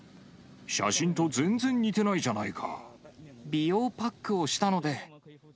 写真と全然似てないじゃない美容パックをしたので。